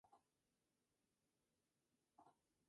El grupo se separa dejando como legado cuatro grabaciones.